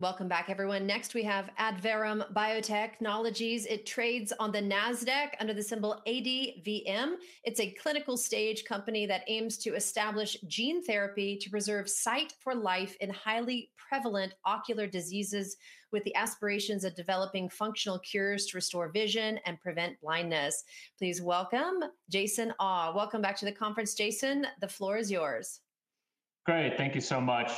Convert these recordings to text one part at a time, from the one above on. Welcome back, everyone. Next, we have Adverum Biotechnologies. It trades on the Nasdaq under the symbol ADVM. It's a clinical stage company that aims to establish gene therapy to preserve sight for life in highly prevalent ocular diseases, with the aspirations of developing functional cures to restore vision and prevent blindness. Please welcome Jason Au. Welcome back to the conference, Jason. The floor is yours. Great. Thank you so much.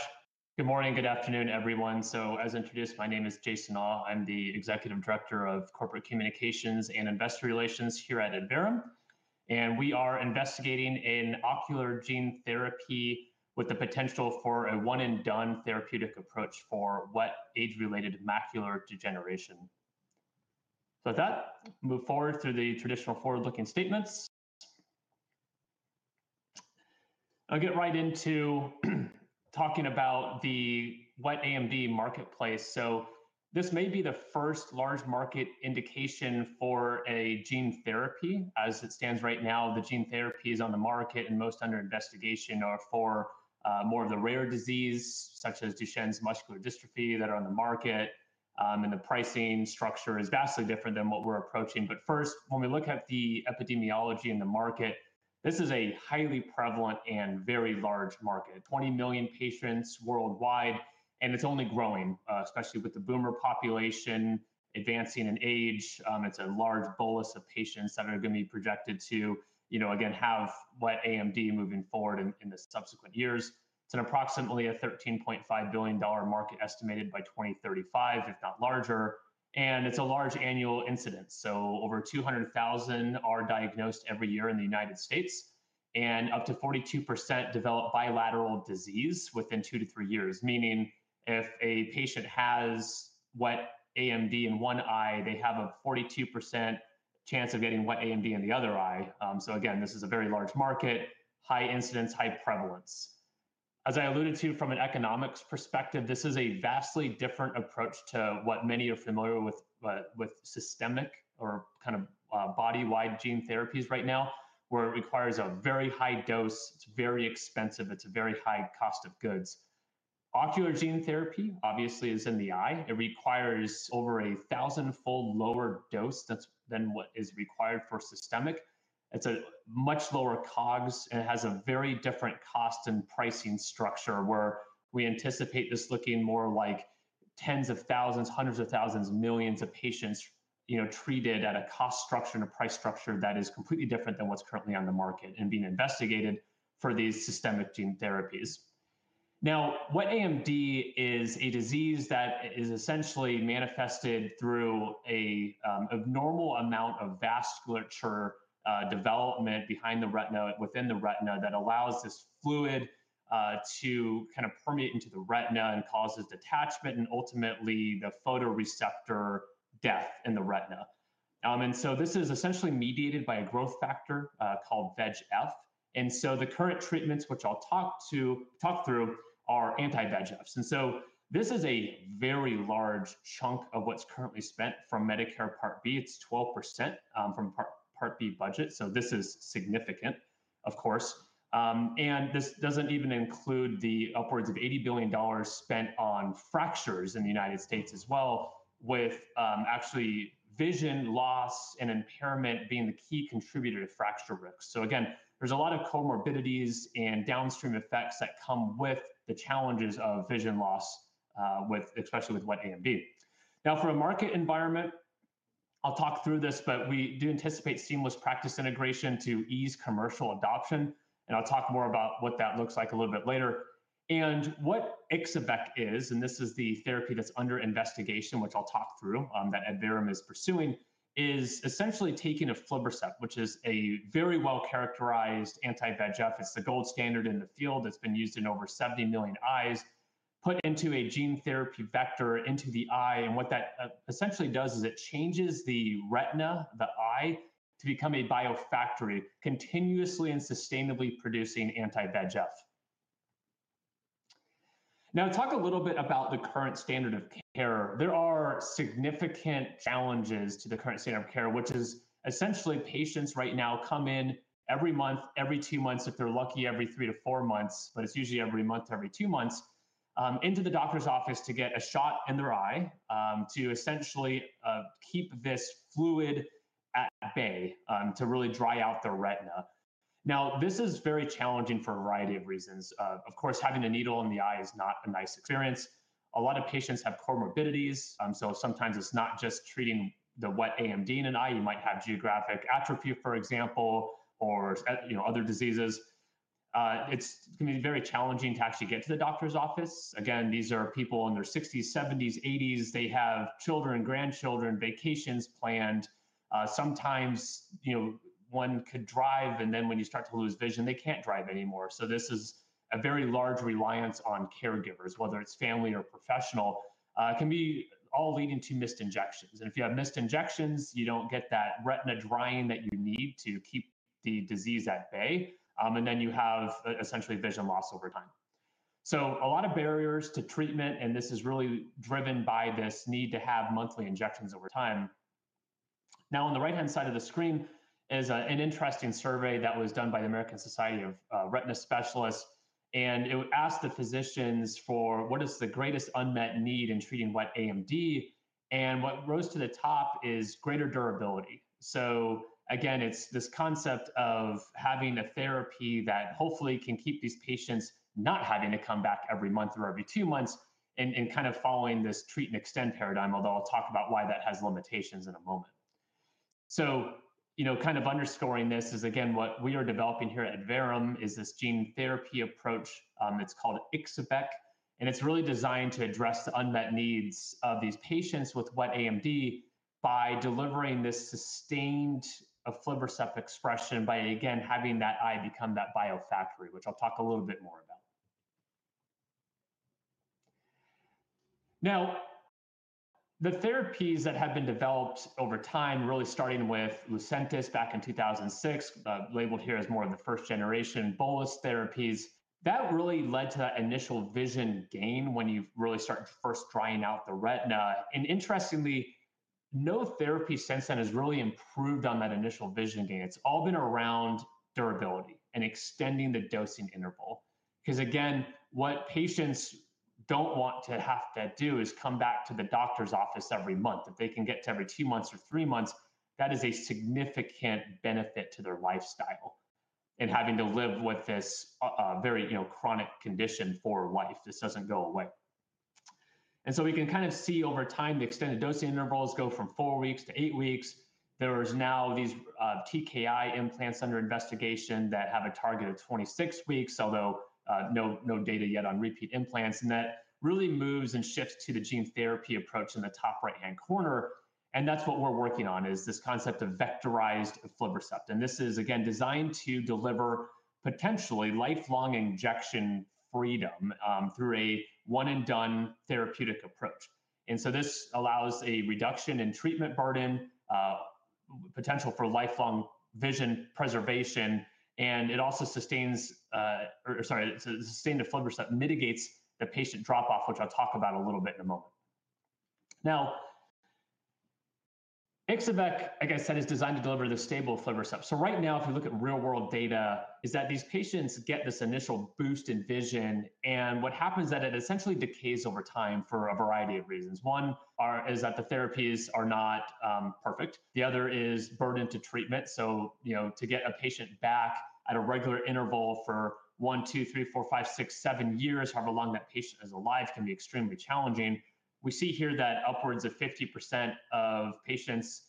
Good morning. Good afternoon, everyone. As introduced, my name is Jason Au. I'm the Executive Director of Corporate Communications and Investor Relations here at Adverum. We are investigating an ocular gene therapy with the potential for a one-and-done therapeutic approach for wet age-related macular degeneration. With that, we'll move forward through the traditional forward-looking statements. I'll get right into talking about the wet AMD marketplace. This may be the first large market indication for a gene therapy. As it stands right now, the gene therapies on the market and most under investigation are for more of the rare disease, such as Duchenne's muscular dystrophy, that are on the market. The pricing structure is vastly different than what we're approaching. First, when we look at the epidemiology in the market, this is a highly prevalent and very large market, 20 million patients worldwide. It's only growing, especially with the boomer population advancing in age. It's a large bolus of patients that are going to be projected to, you know, again, have wet AMD moving forward in the subsequent years. It's an approximately $13.5 billion market estimated by 2035, if not larger. It's a large annual incidence. Over 200,000 are diagnosed every year in the United States and up to 42% develop bilateral disease within two to three years, meaning if a patient has wet AMD in one eye, they have a 42% chance of getting wet AMD in the other eye. This is a very large market, high incidence, high prevalence. As I alluded to from an economics perspective, this is a vastly different approach to what many are familiar with, with systemic or kind of body-wide gene therapies right now, where it requires a very high dose. It's very expensive. It's a very high cost of goods. Ocular gene therapy, obviously, is in the eye. It requires over a thousand-fold lower dose than what is required for systemic. It's a much lower COGS. It has a very different cost and pricing structure, where we anticipate this looking more like tens of thousands, hundreds of thousands, millions of patients, you know, treated at a cost structure and a price structure that is completely different than what's currently on the market and being investigated for these systemic gene therapies. Now, wet AMD is a disease that is essentially manifested through an abnormal amount of vasculature development behind the retina, within the retina, that allows this fluid to kind of permeate into the retina and causes detachment and ultimately the photoreceptor death in the retina. This is essentially mediated by a growth factor called VEGF. The current treatments, which I'll talk through, are anti-VEGF. This is a very large chunk of what's currently spent from Medicare Part B. It's 12% from Part B budget. This is significant, of course. This doesn't even include the upwards of $80 billion spent on fractures in the United Sates as well, with actually vision loss and impairment being the key contributor to fracture risk. Again, there's a lot of comorbidities and downstream effects that come with the challenges of vision loss, especially with wet AMD. Now, for a market environment, I'll talk through this, but we do anticipate seamless practice integration to ease commercial adoption. I'll talk more about what that looks like a little bit later. What Ixo-vec is, and this is the therapy that's under investigation, which I'll talk through, that Adverum is pursuing, is essentially taking aflibercept, which is a very well-characterized anti-VEGF. It's the gold standard in the field. It's been used in over 70 million eyes, put into a gene therapy vector into the eye. What that essentially does is it changes the retina, the eye, to become a biofactory, continuously and sustainably producing anti-VEGF. Now, talk a little bit about the current standard of care. There are significant challenges to the current standard of care, which is essentially patients right now come in every month, every two months, if they're lucky, every three to four months, but it's usually every month to every two months, into the doctor's office to get a shot in their eye to essentially keep this fluid at bay to really dry out the retina. This is very challenging for a variety of reasons. Of course, having a needle in the eye is not a nice experience. A lot of patients have comorbidities. Sometimes it's not just treating the wet AMD in an eye. You might have geographic atrophy, for example, or other diseases. It's going to be very challenging to actually get to the doctor's office. These are people in their 60s, 70s, 80s. They have children, grandchildren, vacations planned. Sometimes, you know, one could drive, and then when you start to lose vision, they can't drive anymore. This is a very large reliance on caregivers, whether it's family or professional. It can be all leading to missed injections. If you have missed injections, you don't get that retina drying that you need to keep the disease at bay. You have essentially vision loss over time. A lot of barriers to treatment, and this is really driven by this need to have monthly injections over time. Now, on the right-hand side of the screen is an interesting survey that was done by the American Society of Retina Specialists. It asked the physicians for what is the greatest unmet need in treating wet AMD. What rose to the top is greater durability. Again, it's this concept of having a therapy that hopefully can keep these patients not having to come back every month or every two months and kind of following this treat and extend paradigm, although I'll talk about why that has limitations in a moment. Underscoring this is, again, what we are developing here at Adverum Biotechnologies is this gene therapy approach. It's called Ixo-vec. It's really designed to address the unmet needs of these patients with wet AMD by delivering this sustained aflibercept expression by, again, having that eye become that biofactory, which I'll talk a little bit more about. The therapies that have been developed over time, really starting with Lucentis back in 2006, labeled here as more in the first generation bolus therapies, that really led to that initial vision gain when you really start first drying out the retina. Interestingly, no therapy since then has really improved on that initial vision gain. It's all been around durability and extending the dosing interval. What patients don't want to have to do is come back to the doctor's office every month. If they can get to every two months or three months, that is a significant benefit to their lifestyle and having to live with this very, you know, chronic condition for life. This doesn't go away. We can kind of see over time the extended dosing intervals go from four weeks to eight weeks. There are now these TKI implants under investigation that have a target of 26 weeks, although no data yet on repeat implants. That really moves and shifts to the gene therapy approach in the top right-hand corner. That is what we're working on, this concept of vectorized aflibercept. This is, again, designed to deliver potentially lifelong injection freedom through a one-and-done therapeutic approach. This allows a reduction in treatment burden and potential for lifelong vision preservation. Sustained aflibercept mitigates the patient drop-off, which I'll talk about a little bit in a moment. Ixo-vec, like I said, is designed to deliver the stable aflibercept. Right now, if we look at real-world data, these patients get this initial boost in vision. What happens is that it essentially decays over time for a variety of reasons. One is that the therapies are not perfect. The other is burden to treatment. To get a patient back at a regular interval for one, two, three, four, five, six, seven years, however long that patient is alive, can be extremely challenging. We see here that upwards of 50% of patients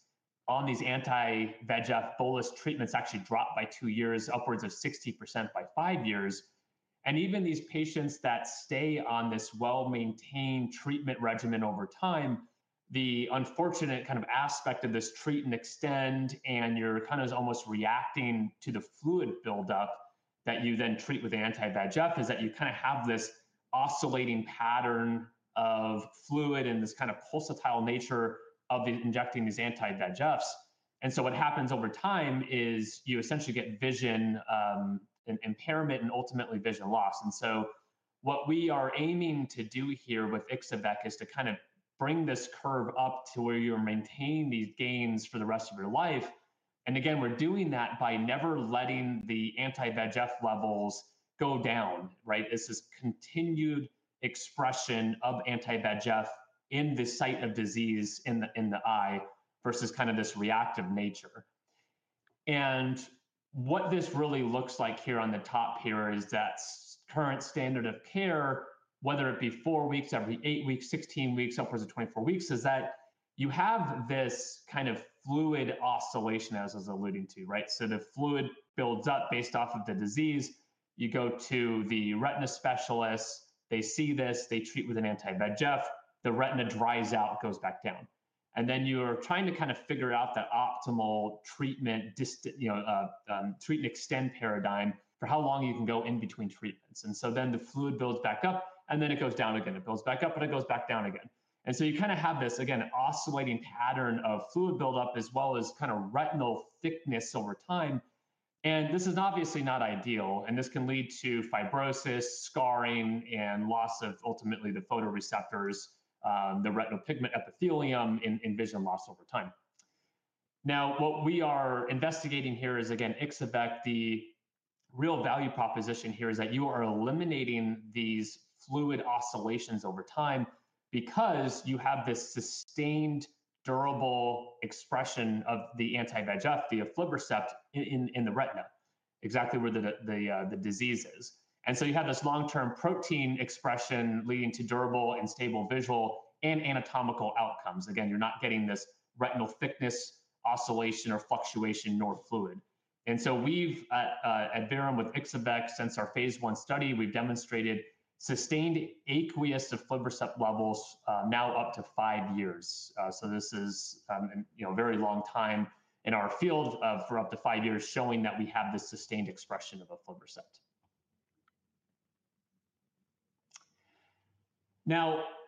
on these anti-VEGF bolus treatments actually drop by two years, upwards of 60% by five years. Even these patients that stay on this well-maintained treatment regimen over time, the unfortunate kind of aspect of this treat and extend, and you're kind of almost reacting to the fluid buildup that you then treat with anti-VEGF, is that you kind of have this oscillating pattern of fluid and this kind of pulsatile nature of injecting these anti-VEGFs. What happens over time is you essentially get vision impairment and ultimately vision loss. What we are aiming to do here with Ixo-vec is to kind of bring this curve up to where you maintain these gains for the rest of your life. We're doing that by never letting the anti-VEGF levels go down, right? It's this continued expression of anti-VEGF in the site of disease in the eye versus this reactive nature. What this really looks like here on the top here is that current standard of care, whether it be four weeks, every eight weeks, 16 weeks, upwards of 24 weeks, is that you have this kind of fluid oscillation, as I was alluding to, right? The fluid builds up based off of the disease. You go to the retina specialists. They see this. They treat with an anti-VEGF. The retina dries out, goes back down. You are trying to figure out the optimal treatment, the treat and extend paradigm for how long you can go in between treatments. The fluid builds back up. It goes down again. It builds back up. It goes back down again. You kind of have this, again, oscillating pattern of fluid buildup as well as kind of retinal thickness over time. This is obviously not ideal. This can lead to fibrosis, scarring, and loss of ultimately the photoreceptors, the retinal pigment epithelium, and vision loss over time. What we are investigating here is, again, Ixo-vec. The real value proposition here is that you are eliminating these fluid oscillations over time because you have this sustained durable expression of the anti-VEGF, the aflibercept, in the retina, exactly where the disease is. You have this long-term protein expression leading to durable and stable visual and anatomical outcomes. You're not getting this retinal thickness oscillation or fluctuation nor fluid. We've at Adverum with Ixo-vec, since our phase I study, demonstrated sustained aqueous aflibercept levels now up to five years. This is a very long time in our field, for up to five years, showing that we have this sustained expression of aflibercept.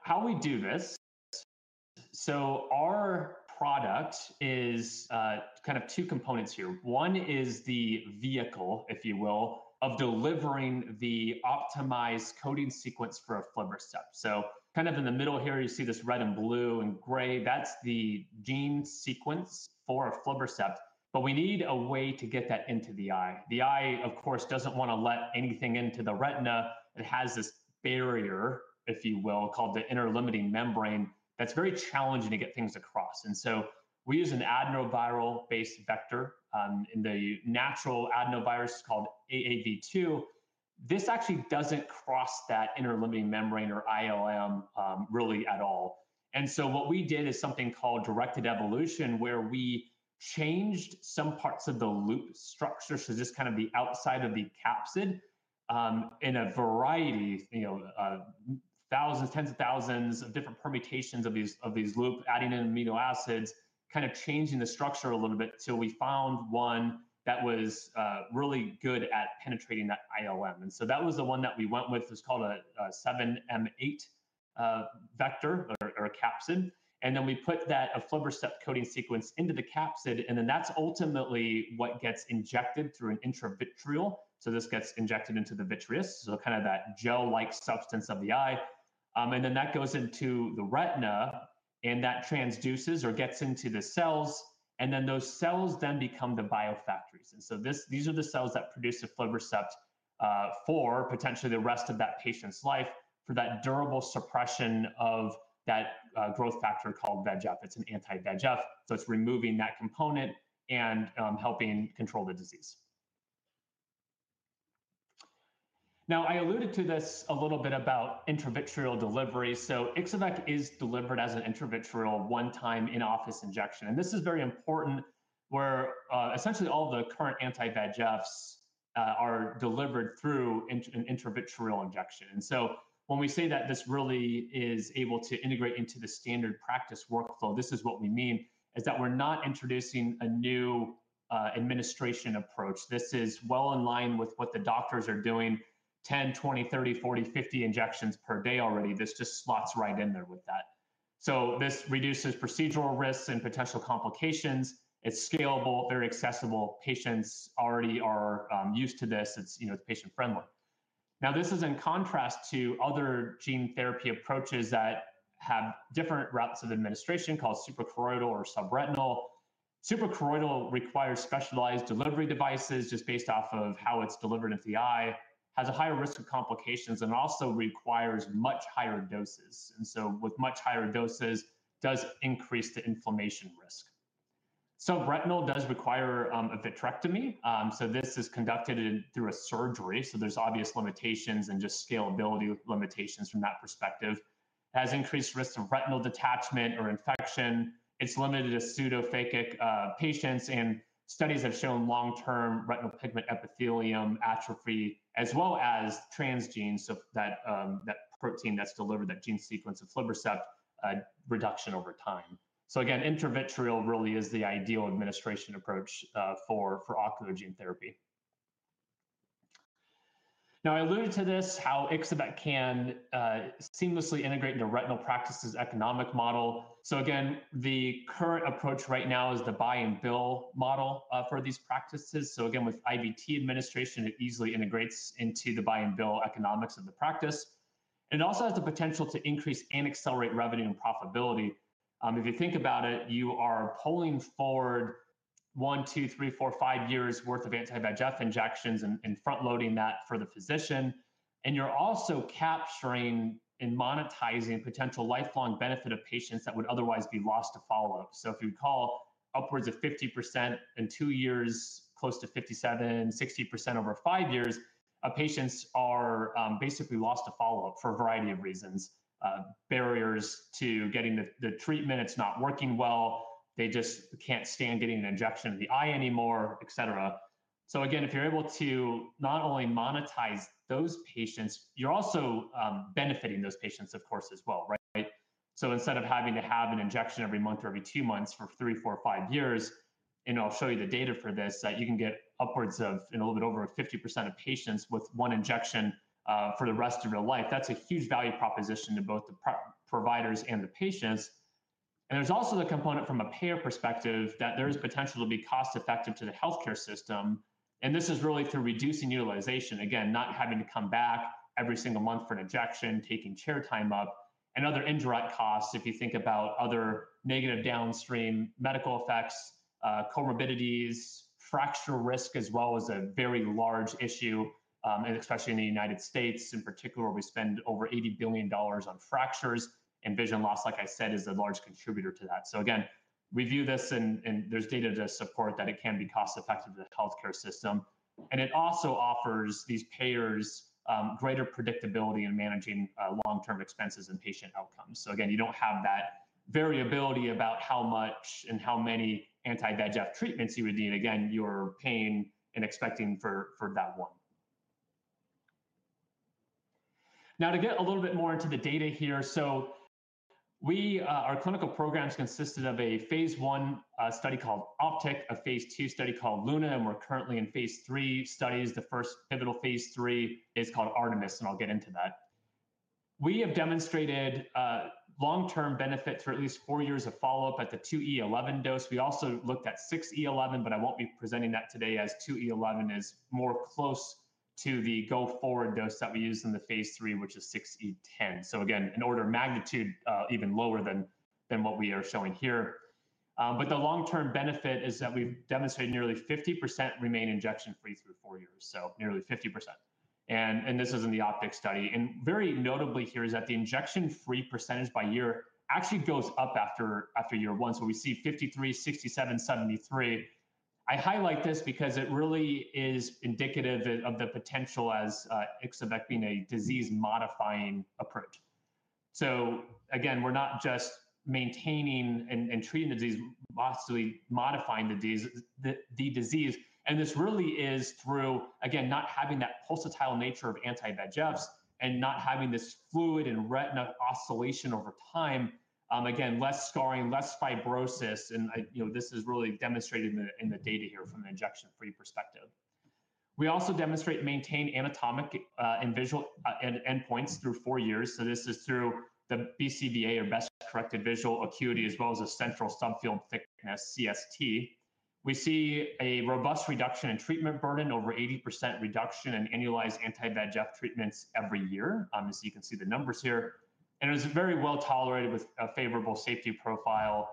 How we do this, our product is kind of two components here. One is the vehicle, if you will, of delivering the optimized coding sequence for aflibercept. Kind of in the middle here, you see this red and blue and gray. That's the gene sequence for aflibercept. We need a way to get that into the eye. The eye, of course, doesn't want to let anything into the retina. It has this barrier, if you will, called the inner limiting membrane. That's very challenging to get things across. We use an adenoviral-based vector in the natural adenovirus called AAV2. This actually doesn't cross that inner limiting membrane or ILM really at all. What we did is something called directed evolution, where we changed some parts of the loop structure. This is kind of the outside of the capsid in a variety, you know, thousands, tens of thousands of different permutations of these loops, adding in amino acids, kind of changing the structure a little bit. We found one that was really good at penetrating that ILM. That was the one that we went with. It was called a 7M8 vector or capsid. We put that aflibercept coding sequence into the capsid. That's ultimately what gets injected through an intravitreal. This gets injected into the vitreous, kind of that gel-like substance of the eye. That goes into the retina. That transduces or gets into the cells, and then those cells become the biofactories. These are the cells that produce aflibercept for potentially the rest of that patient's life for that durable suppression of that growth factor called VEGF. It's an anti-VEGF. It's removing that component and helping control the disease. I alluded to this a little bit about intravitreal delivery. Ixo-vec is delivered as an intravitreal one-time in-office injection. This is very important, where essentially all of the current anti-VEGFs are delivered through an intravitreal injection. When we say that this really is able to integrate into the standard practice workflow, this is what we mean, that we're not introducing a new administration approach. This is well in line with what the doctors are doing, 10, 20, 30, 40, 50 injections per day already. This just slots right in there with that. This reduces procedural risks and potential complications. It's scalable, very accessible. Patients already are used to this. It's, you know, patient-friendly. This is in contrast to other gene therapy approaches that have different routes of administration called suprachoroidal or subretinal. Suprachoroidal requires specialized delivery devices just based off of how it's delivered at the eye, has a higher risk of complications, and it also requires much higher doses. With much higher doses, it does increase the inflammation risk. Subretinal does require a vitrectomy. This is conducted through a surgery. There are obvious limitations and just scalability limitations from that perspective. It has increased risk of retinal detachment or infection. It's limited to pseudophakic patients. Studies have shown long-term retinal pigment epithelium atrophy, as well as transgenes, that protein that's delivered, that gene sequence of aflibercept, reduction over time. Intravitreal really is the ideal administration approach for ocular gene therapy. I alluded to this, how Ixo-vec can seamlessly integrate into retinal practices' economic model. The current approach right now is the buy-and-bill model for these practices. With IVT administration, it easily integrates into the buy-and-bill economics of the practice. It also has the potential to increase and accelerate revenue and profitability. If you think about it, you are pulling forward one, two, three, four, five years' worth of anti-VEGF injections and front-loading that for the physician. You are also capturing and monetizing potential lifelong benefit of patients that would otherwise be lost to follow-up. If you recall, upwards of 50% in two years, close to 57%, 60% over five years, patients are basically lost to follow-up for a variety of reasons, barriers to getting the treatment. It's not working well. They just can't stand getting an injection in the eye anymore, et cetera. If you're able to not only monetize those patients, you're also benefiting those patients, of course, as well, right? Instead of having to have an injection every month or every two months for three, four, or five years, and I'll show you the data for this, you can get upwards of a little bit over 50% of patients with one injection for the rest of your life. That's a huge value proposition to both the providers and the patients. There's also the component from a payer perspective that there is potential to be cost-effective to the healthcare system. This is really to reducing utilization, again, not having to come back every single month for an injection, taking chair time up, and other indirect costs if you think about other negative downstream medical effects, comorbidities, fracture risk, as well as a very large issue, and especially in the U.S. In particular, we spend over $80 billion on fractures. Vision loss, like I said, is a large contributor to that. Review this, and there's data to support that it can be cost-effective to the healthcare system. It also offers these payers greater predictability in managing long-term expenses and patient outcomes. You don't have that variability about how much and how many anti-VEGF treatments you would need. You are paying and expecting for that one. Now, to get a little bit more into the data here, our clinical programs consisted of a phase I study called OPTIC, a phase II study called LUNA, and we're currently in phase III studies. The first pivotal phase III is called ARTEMIS, and I'll get into that. We have demonstrated long-term benefits for at least four years of follow-up at the 2E11 dose. We also looked at 6E11, but I won't be presenting that today as 2E11 is more close to the go forward dose that we use in the phase III, which is 6E10. Again, an order of magnitude even lower than what we are showing here. The long-term benefit is that we demonstrated nearly 50% remain injection-free through four years, so nearly 50%. This was in the OPTIC trial. Very notably here is that the injection-free percentage by year actually goes up after year one. We see 53%, 67%, 73%. I highlight this because it really is indicative of the potential as Ixo-vec being a disease-modifying approach. We're not just maintaining and treating the disease, but modifying the disease. This really is through, again, not having that pulsatile nature of anti-VEGF and not having this fluid and retina oscillation over time, less scarring, less fibrosis. This is really demonstrated in the data here from an injection-free perspective. We also demonstrate maintained anatomic and visual endpoints through four years. This is through the BCVA, or best-corrected visual acuity, as well as central subfield thickness, CST. We see a robust reduction in treatment burden, over 80% reduction in annualized anti-VEGF treatments every year. You can see the numbers here. It was very well tolerated with a favorable safety profile.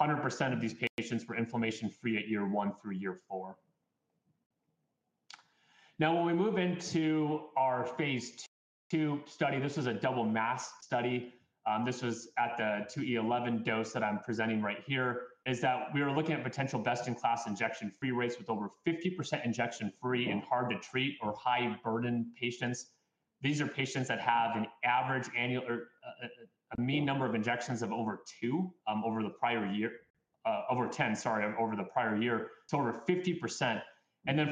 100% of these patients were inflammation-free at year one through year four. When we move into our phase II study, this was a double-masked study. This was at the 2E11 dose that I'm presenting right here. We were looking at potential best-in-class injection-free rates with over 50% injection-free in hard-to-treat or high-burden patients. These are patients that have an average annual mean number of injections of over 10 over the prior year. Over 50%.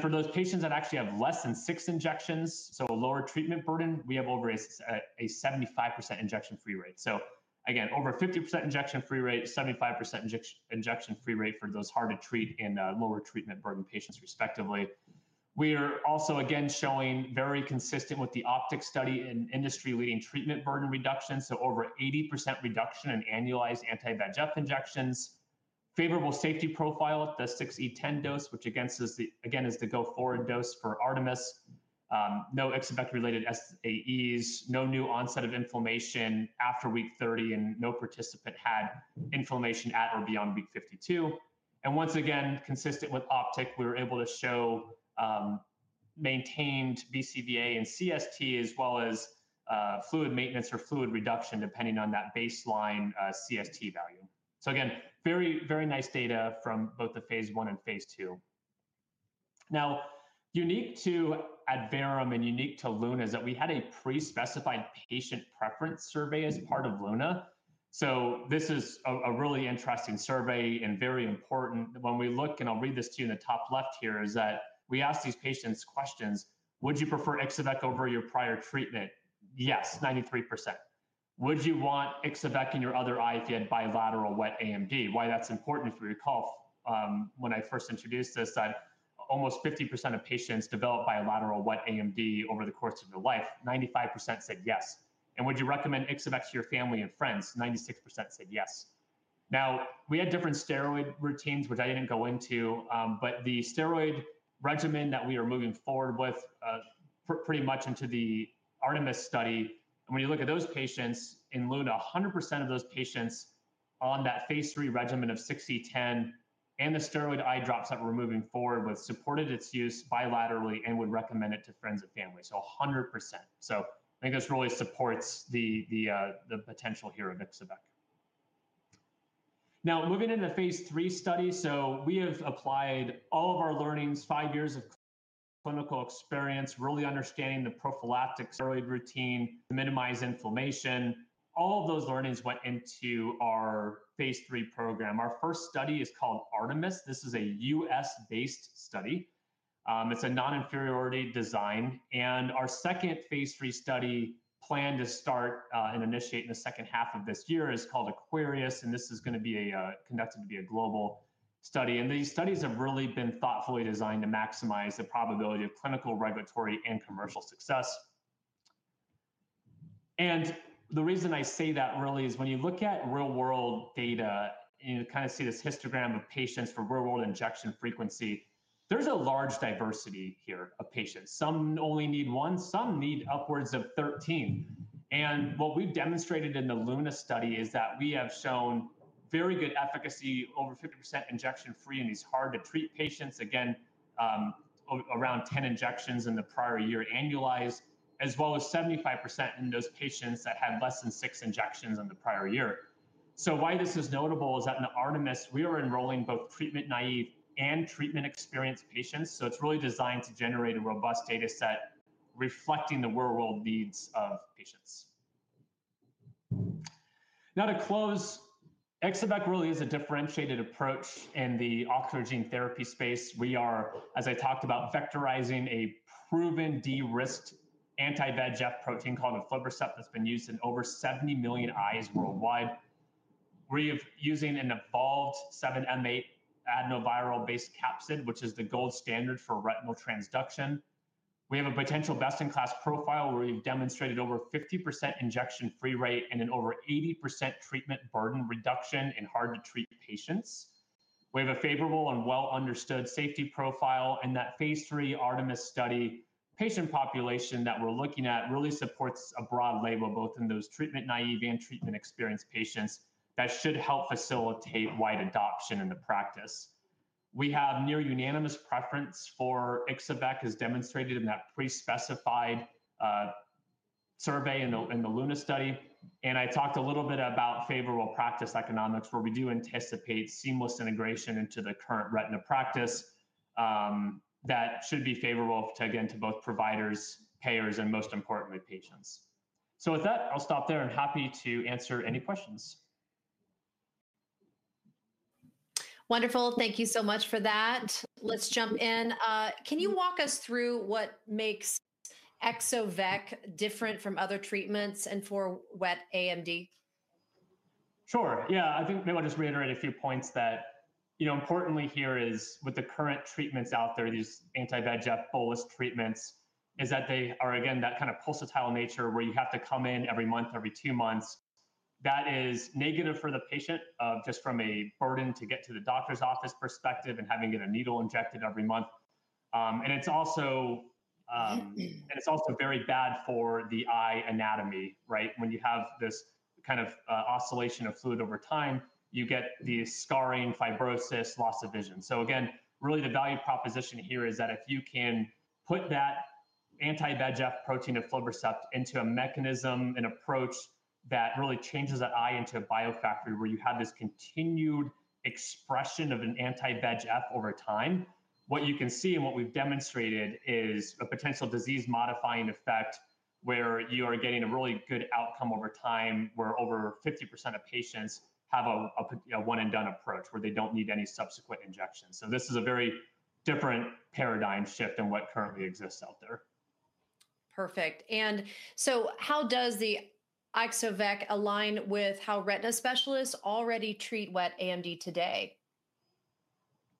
For those patients that actually have less than six injections, so a lower treatment burden, we have over a 75% injection-free rate. Over 50% injection-free rate, 75% injection-free rate for those hard-to-treat and lower treatment-burden patients, respectively. We are also, again, showing very consistent with the OPTIC trial in industry-leading treatment burden reduction. Over 80% reduction in annualized anti-VEGF injections, favorable safety profile at the 6E10 dose, which, again, is the go-forward dose for ARTEMIS. No Ixo-vec-related SAEs, no new onset of inflammation after week 30, and no participant had inflammation at or beyond week 52. Once again, consistent with OPTIC, we were able to show maintained BCVA and CST, as well as fluid maintenance or fluid reduction, depending on that baseline CST value. Very, very nice data from both the phase I and phase II. Unique to Adverum and unique to LUNA is that we had a pre-specified patient preference survey as part of LUNA. This is a really interesting survey and very important. When we look, and I'll read this to you in the top left here, we asked these patients questions. Would you prefer Ixo-vec over your prior treatment? Yes, 93%. Would you want Ixo-vec in your other eye if you had bilateral wet AMD? Why that's important, if you recall, when I first introduced this, almost 50% of patients develop bilateral wet AMD over the course of their life. 95% said yes. Would you recommend Ixo-vec to your family and friends? 96% said yes. We had different steroid routines, which I didn't go into, but the steroid regimen that we are moving forward with pretty much into the ARTEMIS study. When you look at those patients in LUNA, 100% of those patients on that phase III regimen of 6E10 and the steroid eye drops that we're moving forward with supported its use bilaterally and would recommend it to friends and family. 100%. I think this really supports the potential here of Ixo-vec. Moving into the phase III study, we have applied all of our learnings, five years of clinical experience, really understanding the prophylactic steroid routine to minimize inflammation. All of those learnings went into our phase III program. Our first study is called ARTEMIS. This is a U.S.-based study. It's a non-inferiority design. Our second phase III study planned to start and initiate in the second half of this year is called AQUARIUS. This is going to be conducted to be a global study. These studies have really been thoughtfully designed to maximize the probability of clinical, regulatory, and commercial success. The reason I say that really is when you look at real-world data and you kind of see this histogram of patients for real-world injection frequency, there's a large diversity here of patients. Some only need one. Some need upwards of 13. What we've demonstrated in the LUNA study is that we have shown very good efficacy, over 50% injection-free in these hard-to-treat patients, again, around 10 injections in the prior year annualized, as well as 75% in those patients that had less than six injections in the prior year. This is notable because in ARTEMIS, we are enrolling both treatment-naive and treatment-experienced patients. It is really designed to generate a robust data set reflecting the real-world needs of patients. To close, Ixo-vec really is a differentiated approach in the ocular gene therapy space. We are, as I talked about, vectorizing a proven de-risked anti-VEGF protein called aflibercept that's been used in over 70 million eyes worldwide. We are using an evolved 7M8 adenoviral-based capsid, which is the gold standard for retinal transduction. We have a potential best-in-class profile where we've demonstrated over 50% injection-free rate and an over 80% treatment burden reduction in hard-to-treat patients. We have a favorable and well-understood safety profile. That phase III ARTEMIS study patient population that we're looking at really supports a broad label both in those treatment-naive and treatment-experienced patients that should help facilitate wide adoption in the practice. We have near unanimous preference for Ixo-vec as demonstrated in that pre-specified survey in the LUNA study. I talked a little bit about favorable practice economics where we do anticipate seamless integration into the current retina practice that should be favorable to, again, both providers, payers, and most importantly, patients. With that, I'll stop there. I'm happy to answer any questions. Wonderful. Thank you so much for that. Let's jump in. Can you walk us through what makes Ixo-vec different from other treatments for wet AMD? Sure. Yeah, I think maybe I'll just reiterate a few points that, you know, importantly here is with the current treatments out there, these anti-VEGF bolus treatments, is that they are, again, that kind of pulsatile nature where you have to come in every month, every two months. That is negative for the patient just from a burden to get to the doctor's office perspective and having to get a needle injected every month. It's also very bad for the eye anatomy, right? When you have this kind of oscillation of fluid over time, you get the scarring, fibrosis, loss of vision. Really the value proposition here is that if you can put that anti-VEGF protein aflibercept into a mechanism, an approach that really changes that eye into a biofactory where you have this continued expression of an anti-VEGF over time, what you can see and what we've demonstrated is a potential disease-modifying effect where you are getting a really good outcome over time where over 50% of patients have a one-and-done approach where they don't need any subsequent injections. This is a very different paradigm shift than what currently exists out there. Perfect. How does the Ixo-vec align with how retina specialists already treat wet AMD today?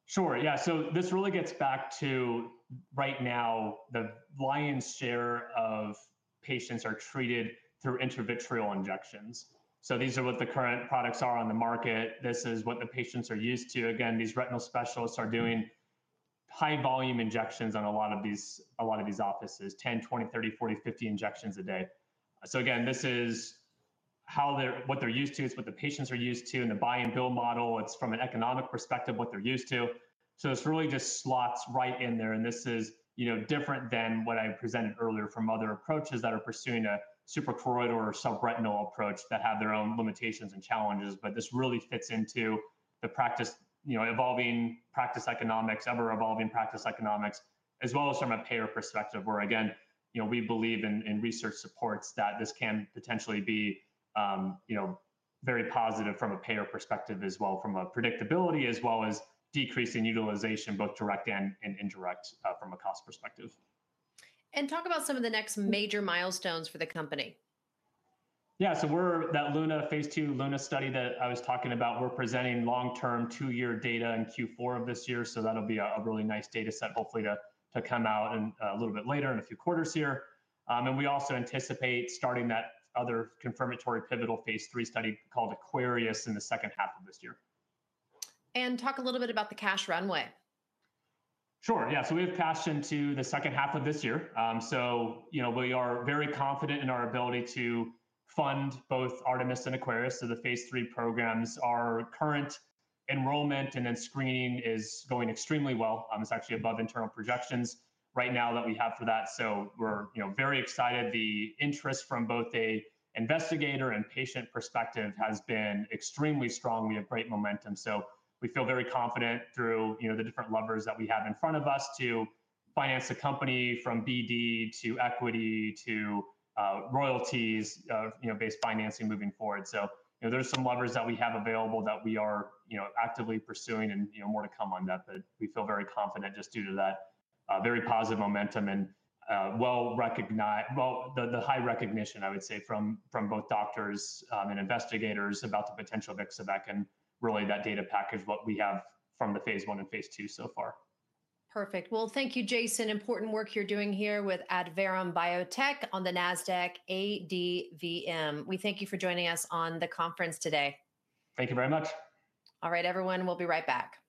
Sure. Yeah. This really gets back to right now the lion's share of patients are treated through intravitreal injections. These are what the current products are on the market. This is what the patients are used to. These retinal specialists are doing high-volume injections in a lot of these offices, 10, 20, 30, 40, 50 injections a day. This is what they're used to. It's what the patients are used to in the buy-and-bill model. From an economic perspective, it's what they're used to. This really just slots right in there. This is different than what I presented earlier from other approaches that are pursuing a suprachoroidal or subretinal approach that have their own limitations and challenges. This really fits into the practice, evolving practice economics, ever-evolving practice economics, as well as from a payer perspective where, again, we believe and research supports that this can potentially be very positive from a payer perspective as well from a predictability, as well as decreasing utilization both direct and indirect from a cost perspective. Talk about some of the next major milestones for the company. Yeah. We're that LUNA phase II LUNA study that I was talking about. We're presenting long-term two-year data in Q4 of this year. That'll be a really nice data set hopefully to come out a little bit later in a few quarters here. We also anticipate starting that other confirmatory pivotal phase III study called AQUARIUS in the second half of this year. Please talk a little bit about the cash runway. Sure. Yeah. We have cash into the second half of this year. We are very confident in our ability to fund both ARTEMIS and AQUARIUS. The phase III programs, our current enrollment and then screening is going extremely well. It's actually above internal projections right now that we have for that. We're very excited. The interest from both an investigator and patient perspective has been extremely strong. We have great momentum. We feel very confident through the different levers that we have in front of us to finance the company from BD to equity to royalties-based financing moving forward. There are some levers that we have available that we are actively pursuing and more to come on that. We feel very confident just due to that very positive momentum and the high recognition, I would say, from both doctors and investigators about the potential of Ixo-vec and really that data package, what we have from the phase I and phase II so far. Perfect. Thank you, Jason. Important work you're doing here with Adverum Biotech on the Nasdaq: ADVM. We thank you for joining us on the conference today. Thank you very much. All right, everyone. We'll be right back.